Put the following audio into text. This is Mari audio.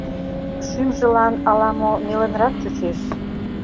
Шӱмжылан ала-мо нелынрак чучеш.